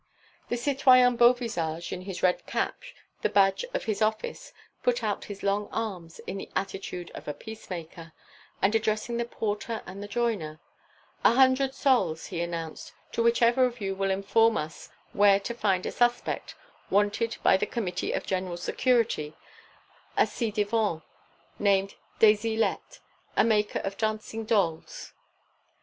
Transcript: The citoyen Beauvisage, in his red cap, the badge of his office, put out his long arms in the attitude of a peacemaker, and addressing the porter and the joiner: "A hundred sols," he announced, "to whichever of you will inform us where to find a suspect, wanted by the Committee of General Security, a ci devant named des Ilettes, a maker of dancing dolls."